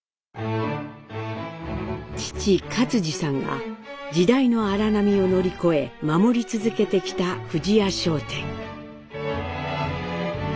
父克爾さんが時代の荒波を乗り越え守り続けてきた富士屋商店。